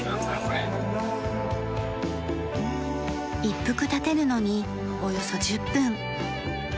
一服たてるのにおよそ１０分。